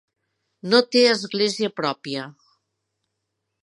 No té església pròpia.